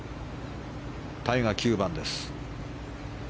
タイガー、９番です。